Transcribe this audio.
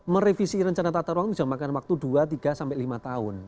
merevisi rencana tata ruang itu bisa memakan waktu dua tiga sampai lima tahun